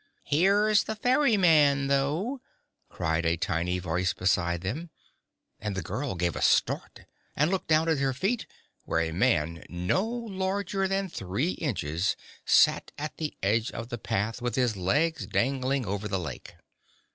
"Here's the ferryman, though," cried a tiny voice beside them, and the girl gave a start and looked down at her feet, where a man no taller than three inches sat at the edge of the path with his legs dangling over the lake.